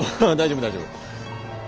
あぁ大丈夫大丈夫。